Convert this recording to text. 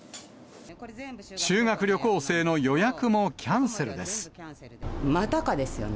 修学旅行生の予約もキャンセルでまたかですよね。